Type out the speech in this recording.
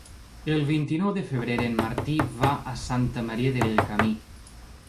El vint-i-nou de febrer en Martí va a Santa Maria del Camí.